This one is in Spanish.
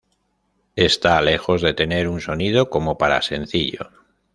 Está lejos de un tener sonido como para sencillo.